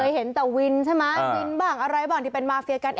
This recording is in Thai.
เห็นแต่วินใช่ไหมวินบ้างอะไรบ้างที่เป็นมาเฟียกัน